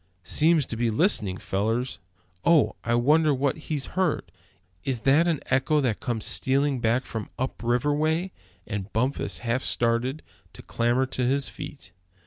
"Seems to be listening, fellers! Oh! I wonder what he's heard? Is that an echo that comes stealing back from up river way?" and Bumpus half started to clamber to his feet.